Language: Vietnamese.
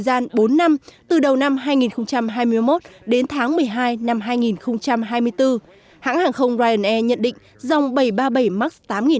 gian bốn năm từ đầu năm hai nghìn hai mươi một đến tháng một mươi hai năm hai nghìn hai mươi bốn hãng hàng không ryanair nhận định dòng bảy trăm ba mươi bảy max tám nghìn